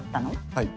はい。